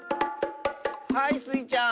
はいスイちゃん！